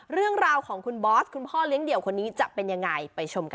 เรื่องราวของคุณบอสคุณพ่อเลี้ยเดี่ยวคนนี้จะเป็นยังไงไปชมกัน